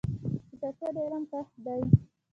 کتابچه د علم کښت دی